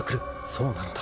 ［そうなのだ。